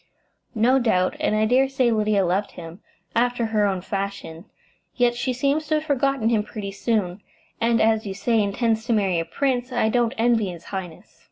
"No doubt; and I dare say Lydia loved him, after her own fashion; yet she seems to have forgotten him pretty soon, and as you say intends to marry a prince. I don't envy his highness."